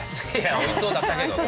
おいしそうだったね。